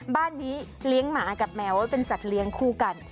บ้านนี้เลี้ยงหมากับแมวไว้เป็นสัตว์เลี้ยงคู่กัน